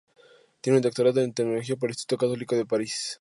Tiene un doctorado en teología por el Instituto Católico de París.